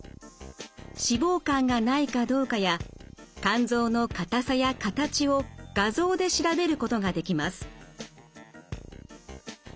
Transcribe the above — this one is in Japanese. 脂肪肝がないかどうかや肝臓の硬さや形を画像で調べることができます。